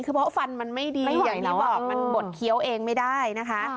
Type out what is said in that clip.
คือเพราะฟันมันไม่ดีอย่างที่บอกมันบดเคี้ยวเองไม่ได้นะคะ